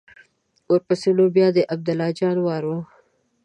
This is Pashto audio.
ورپسې نو بیا د عبدالله جان وار و.